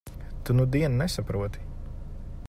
Tu nudien nesaproti.